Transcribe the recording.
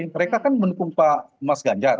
mereka kan mendukung pak mas ganjar